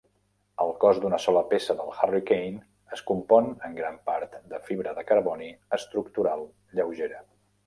El cos d'una sola peça del Hurricane es compon en gran part de fibra de carboni estructural lleugera.